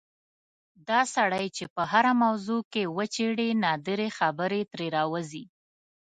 دا سړی چې په هره موضوع کې وچېړې نادرې خبرې ترې راوځي.